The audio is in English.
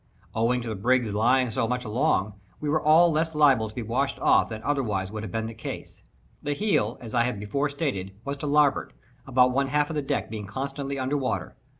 Owing to the brig's lying so much along, we were all less liable to be washed off than otherwise would have been the case. The heel, as I have before stated, was to larboard, about one half of the deck being constantly under water.